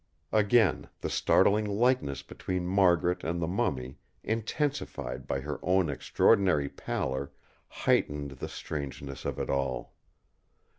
Again, the startling likeness between Margaret and the mummy, intensified by her own extraordinary pallor, heightened the strangeness of it all.